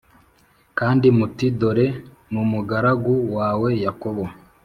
Kandi muti dore n umugaragu wawe yakobo